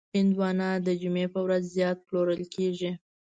هندوانه د جمعې په ورځ زیات پلورل کېږي.